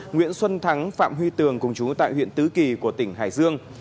nguyễn xuân thắng phạm huy tường cùng chú tại huyện tứ kỳ của tỉnh hải dương